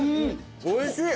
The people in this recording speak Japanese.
おいしい。